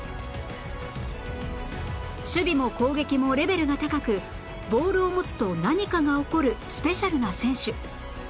守備も攻撃もレベルが高くボールを持つと何かが起こるスペシャルな選手